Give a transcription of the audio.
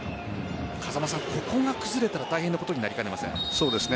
風間さん、ここが崩れたら大変なことになりかねません。